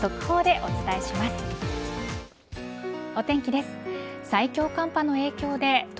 お天気です。